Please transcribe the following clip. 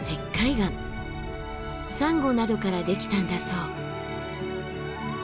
サンゴなどからできたんだそう。